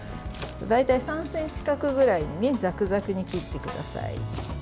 大体３ｃｍ角ぐらいにざくざくに切ってください。